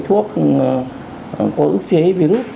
thuốc có ức chế virus